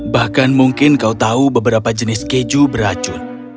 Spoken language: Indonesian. bahkan mungkin kau tahu beberapa jenis keju beracun